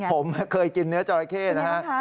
ผมเคยกินเนื้อจอลลาเค่นะครับ